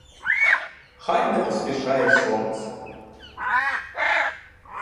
Хай не поспішає сонце!